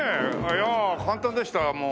いやあ簡単でした。